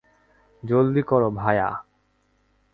জলদি করো, ভায়া।